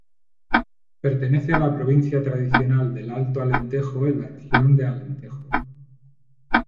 Pertenece a la provincia tradicional del Alto Alentejo, en la región de Alentejo.